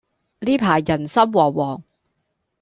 呢排人心惶惶